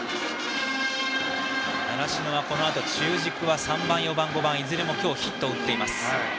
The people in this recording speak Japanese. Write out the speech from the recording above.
習志野がこのあと中軸は３番、４番、５番といずれも今日ヒットを打っています。